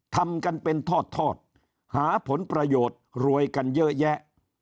ทำกันเป็นทอดหาผลประโยชน์รวยกันเยอะแยะ